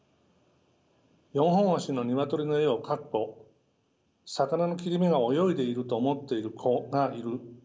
４本足のニワトリの絵を描く子魚の切り身が泳いでいると思っている子がいる。